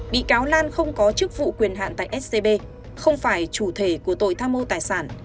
bị cáo lan không có chức vụ quyền hạn tại scb không phải chủ thể của tội tham mô tài sản